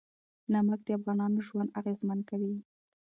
نمک د افغانانو ژوند اغېزمن کوي.